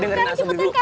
dengarin asobri dulu